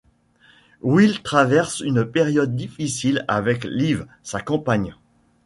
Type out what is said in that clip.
Will traverse une période difficile avec Liv, sa compagne.